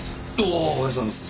ああおはようございます。